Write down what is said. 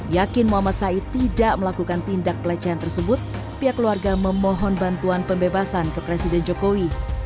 yakin muhammad said tidak melakukan tindak pelecehan tersebut pihak keluarga memohon bantuan pembebasan ke presiden jokowi